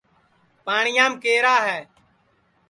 پاٹٹؔیام کیرا ہے